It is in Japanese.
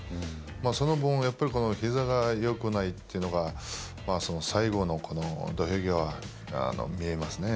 その分、やっぱりひざがよくないってのが最後の土俵際に見えますね。